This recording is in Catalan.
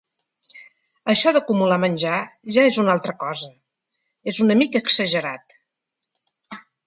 Això d’acumular menjar ja és una altra cosa… És una mica exagerat.